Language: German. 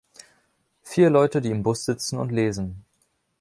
Vier Leute, die im Bus sitzen und lesen.